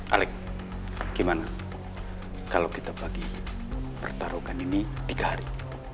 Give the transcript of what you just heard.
alex gimana kalau kita bagi pertarungan ini tiga hari